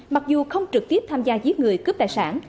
mặc dù không trực tiếp tham gia giết người cướp tài sản